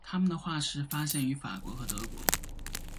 它们的化石发现于法国和德国。